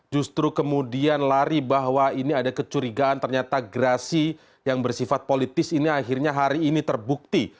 justru kemudian lari bahwa ini ada kecurigaan ternyata gerasi yang bersifat politis ini akhirnya hari ini terbukti